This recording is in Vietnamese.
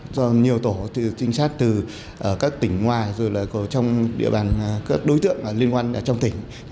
do nhiều tổ trinh sát từ các tỉnh ngoài rồi là trong địa bàn các đối tượng liên quan ở trong tỉnh